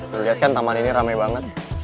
lu lihat kan taman ini rame banget